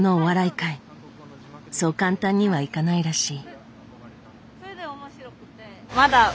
そう簡単にはいかないらしい。